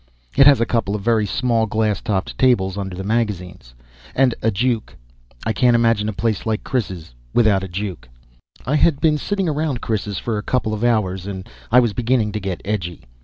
It has a couple of very small glass topped tables under the magazines. And a juke I can't imagine a place like Chris's without a juke. I had been sitting around Chris's for a couple of hours, and I was beginning to get edgy.